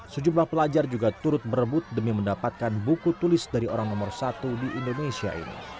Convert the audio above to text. sejumlah pelajar juga turut berebut demi mendapatkan buku tulis dari orang nomor satu di indonesia ini